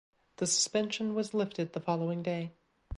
The suspension was lifted the following day.